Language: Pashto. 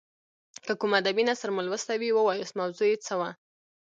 که کوم ادبي نثر مو لوستی وي ووایاست موضوع یې څه وه.